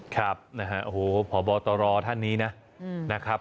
ครับโหพอบอตรอท่านนี้นะ